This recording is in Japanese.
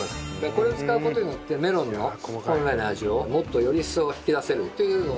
これを使う事によってメロンの本来の味をもっとより一層引き出せるというのがあるんで。